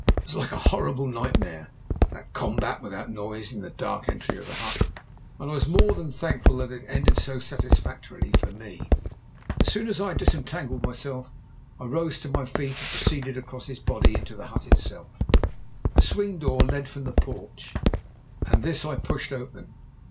It was like a horrible nightmare, that combat without noise in the dark entry of the hut, and I was more than thankful that it ended so satisfactorily for me. As soon as I had disentangled myself, I rose to my feet and proceeded across his body into the hut itself. A swing door led from the porch, and this I pushed open.